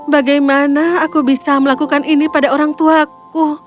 bagaimana aku bisa melakukan ini pada orangtuaku